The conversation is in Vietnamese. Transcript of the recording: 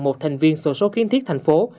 một thành viên sổ số khiến thiết thành phố